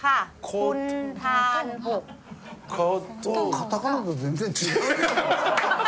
カタカナが全然違う。